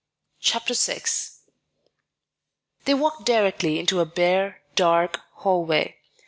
Chapter VI They walked directly into a bare, dark hallway.